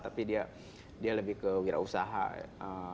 tapi dia lebih kewirausahaan